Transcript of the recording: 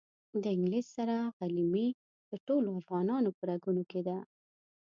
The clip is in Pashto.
د انګلیس سره غلیمي د ټولو افغانانو په رګونو کې ده.